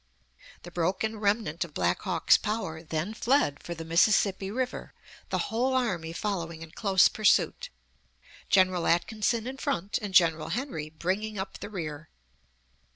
The broken remnant of Black Hawk's power then fled for the Mississippi River, the whole army following in close pursuit General Atkinson in front and General Henry bringing up the rear.